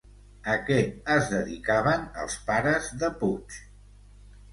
A què es dedicaven els pares de Puig?